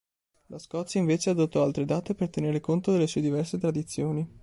La Scozia, invece, adottò altre date per tenere conto delle sue diverse tradizioni.